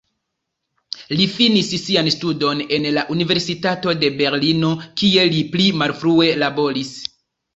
Li finis sian studon en la Universitato de Berlino, kie li pli malfrue laboris.